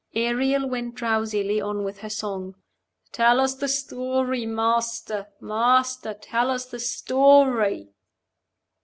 Ariel went drowsily on with her song "Tell us the story. Master! master! tell us the story."